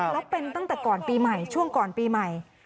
แล้วเป็นตั้งแต่ก่อนปีใหม่ช่วงก่อนปีใหม่